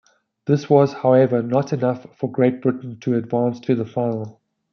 This was however not enough for Great Britain to advance to the final.